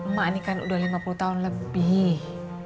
emak ini kan udah lima puluh tahun lebih